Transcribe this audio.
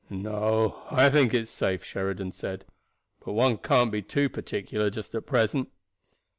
"No, I think it's safe," Sheridan said; "but one can't be too particular just at present.